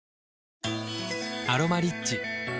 「アロマリッチ」